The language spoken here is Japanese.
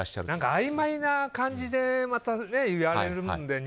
あいまいな感じでまた、言われるので。